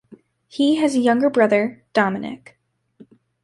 He has a younger brother, Dominick.